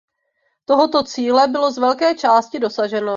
Tohoto cíle bylo z velké části dosaženo.